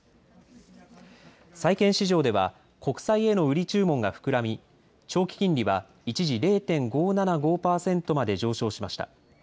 債券市場では、国債への売り注文が膨らみ、長期金利は一時０．５７５％まで上昇しました。